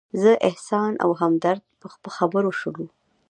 زه، احسان او همدرد په خبرو شولو.